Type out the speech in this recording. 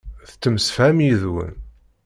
Tettemsefham yid-wen.